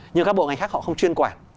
nhưng các bộ ngành khác họ không chuyên quản